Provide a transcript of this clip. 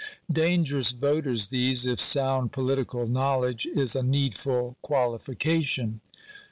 Dangerous voters these, if sound political knowledge is a needful qualification.